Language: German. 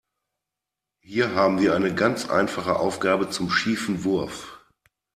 Hier haben wir eine ganz einfache Aufgabe zum schiefen Wurf.